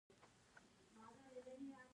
عسل زیاتي ګټي لري.